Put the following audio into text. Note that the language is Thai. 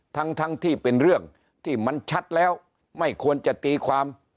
ทั้งทั้งที่เป็นเรื่องที่มันชัดแล้วไม่ควรจะตีความ